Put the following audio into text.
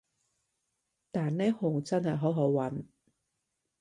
但呢行真係好好搵